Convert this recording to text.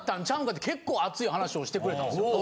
って結構熱い話をしてくれたんですよ。